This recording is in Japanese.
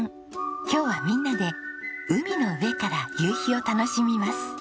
今日はみんなで海の上から夕日を楽しみます。